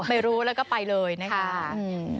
ไม่รู้แล้วก็ไปเลยนะคะ